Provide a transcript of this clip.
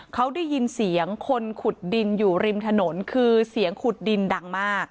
เขาได้ยินเสียงคนขุดดินอยู่ริมถนนคือเสียงขุดดินดังมาก